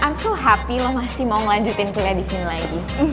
i'm so happy lo masih mau ngelanjutin kuliah disini lagi